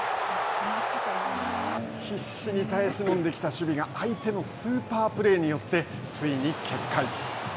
必死に耐え忍んできた守備が相手のスーパープレーによってついに決壊。